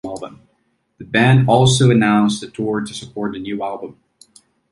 The band also announced a tour to support the new album.